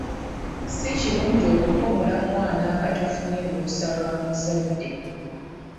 Si kirungi okukomola mwana nga tofunye lukusa lwa muzadde.